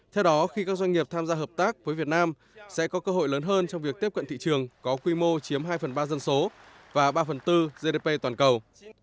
theo đó khi các doanh nghiệp tham gia hợp tác với việt nam sẽ có cơ hội lớn hơn trong việc tiếp cận thị trường có quy mô chiếm hai phần ba dân số và ba phần tư gdp toàn cầu